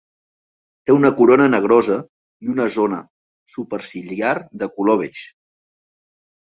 Té una corona negrosa i una zona superciliar de color beix.